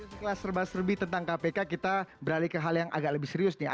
setelah serba serbi tentang kpk kita beralih ke hal yang agak lebih serius nih